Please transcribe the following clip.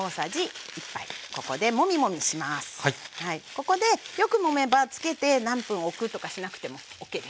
ここでよくもめば浸けて何分置くとかしなくてもＯＫです。